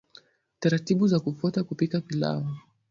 taratibu za kufuata kupika pilau